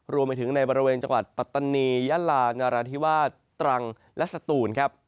รวมไปถึงในบริเวณจังหวัดปัตตานียะลานราธิวาสตรังและสตูนครับ